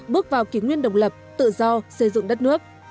bước vào kỷ nguyên độc lập tự do xây dựng đất nước